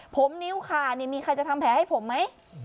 ผมนิ้วขานี่มีใครจะทำแผลให้ผมไหม